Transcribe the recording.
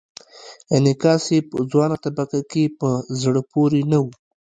انعکاس یې په ځوانه طبقه کې په زړه پورې نه و.